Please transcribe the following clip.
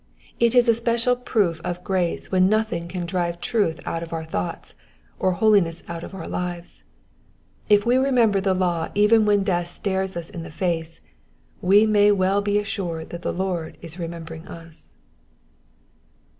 It is a special proof of grace when nothing can drive truth out of our thoughts, or holiness out of our lives. If we remember the law even when death stares us in the face, we may be well assured that the Lord is remembering us.